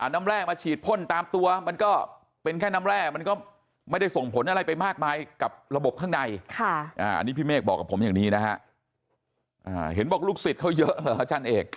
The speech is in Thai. แร่มาฉีดพ่นตามตัวมันก็เป็นแค่น้ำแร่มันก็ไม่ได้ส่งผลอะไรไปมากมายกับระบบข้างในอันนี้พี่เมฆบอกกับผมอย่างนี้นะฮะเห็นบอกลูกศิษย์เขาเยอะเหรออาจารย์เอก